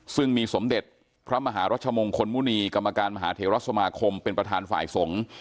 ซึ่งมีสมเด็จพระมหารัชมงคลมุณีกรรมการมหาเทวรัฐสมาคมเป็นประธานฝ่ายสงฆ์